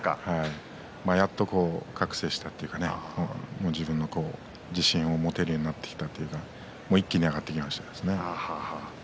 やっと覚醒したというかね自分に自信が持てるようになってきたというか一気に上がってきましたね。